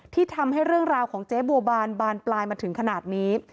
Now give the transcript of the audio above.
ที่ทำให้เรื่องราวของเจ๊บัวบานบานปลายมาถึงขนาดนี้